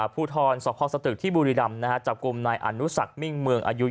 ภูทรศพสตรที่บุรีรัม